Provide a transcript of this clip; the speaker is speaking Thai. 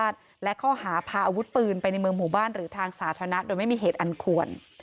ทางสาธารณะโดยไม่มีเหตุอันควร